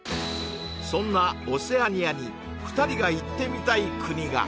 そんなオセアニアに２人が行ってみたい国が！